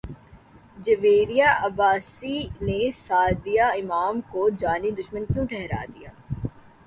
جویریہ عباسی نے سعدیہ امام کو جانی دشمن کیوں ٹھہرا دیا